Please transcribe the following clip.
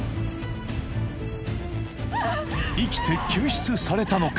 生きて救出されたのか？